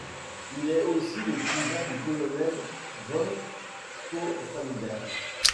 Il est aussi le cousin du colonel von Stauffenberg.